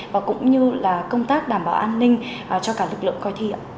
và cũng như là công tác đảm bảo an ninh cho cả lực lượng coi thi ạ